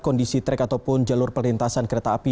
kondisi trek ataupun jalur perlintasan kereta api